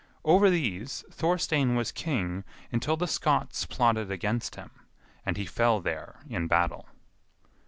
Over these Thorstein was king until the Scots plotted against him, and he fell there in battle.